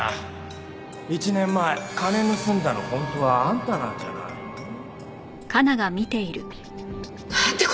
１年前金盗んだの本当はあんたなんじゃないの？なんて